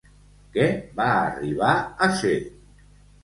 Què va arribar a ser?